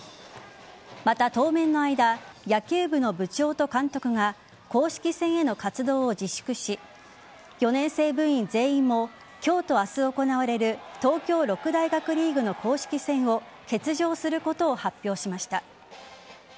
まだ当面の間野球部の部長と監督が公式戦への活動を自粛し４年生部員全員の今日と明日行われる東京六大学リーグの公式戦を欠場することを発表しました。